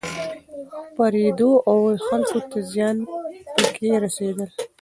خپرېدو او دخلکو ته زيان پکې رسېدل